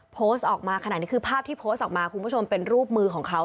โพสต์ออกมาขนาดนี้คือภาพที่โพสต์ออกมาคุณผู้ชมเป็นรูปมือของเขา